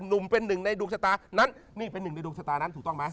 หนุ่มเป็นหนึ่งในดวงชะตานั้นนี่เป็นหนึ่งในดวงชะตานั้นถูกต้องไหม